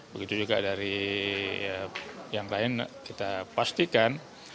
begitu juga dari yang lain kita pastikan